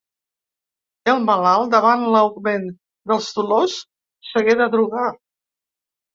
El malalt, davant l'augment dels dolors, s'hagué de drogar.